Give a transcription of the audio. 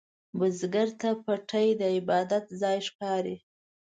بزګر ته پټی د عبادت ځای ښکاري